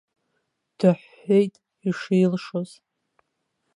Дыҳәҳәеит ишилшоз.